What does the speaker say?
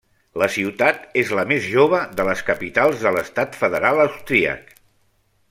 La ciutat és la més jove de les capitals de l'Estat federal austríac.